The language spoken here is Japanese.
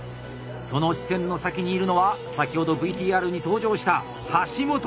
その視線の先にいるのは先ほどＶＴＲに登場した橋本洋右。